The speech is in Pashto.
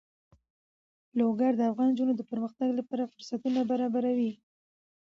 لوگر د افغان نجونو د پرمختګ لپاره فرصتونه برابروي.